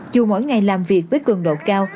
dù mỗi ngày làm việc với cường độ cao